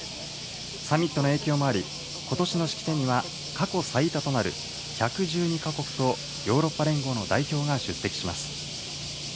サミットの影響もあり、ことしの式典には、過去最多となる１１２か国とヨーロッパ連合の代表が出席します。